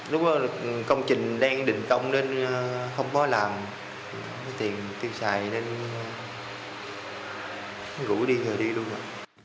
lúc đó công trình đang định công nên không có làm không có tiền tiêu xài nên gũ đi rồi đi luôn ạ